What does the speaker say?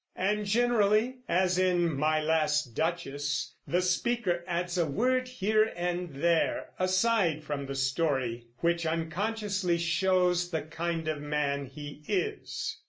And generally, as in "My Last Duchess," the speaker adds a word here and there, aside from the story, which unconsciously shows the kind of man he is.